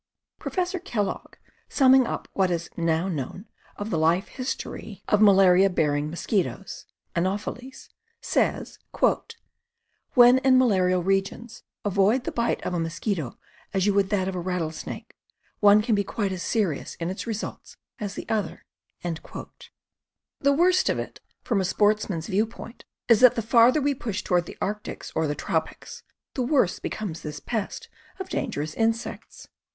Professor Kellogg, summing up what is now known of the life history of malaria 165 166 CAMPING AND WOODCRAFT bearing mosquitoes (Anopheles) says: "When in malarial regions, avoid the bite of a mosquito as you would that of a rattlesnake — one can be quite as serious in its results as the other." The worst of it, from a sportsman's view point, is that the farther we push toward the arctics or the tropics, the worse becomes this pest of dangerous in sects.